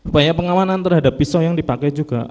banyak pengamanan terhadap pisau yang dipakai juga